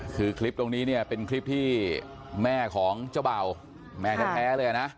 คือคลิปตรงนี้เนี่ยเป็นคลิปที่แม่ของเจ้าเบ่าแม่แท้เลยนะ